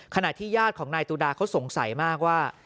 ขณะที่ญาติของนายตุดาเขาสงสัยมากว่า